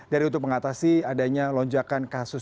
dari untuk mengatasi adanya lonjakan kasus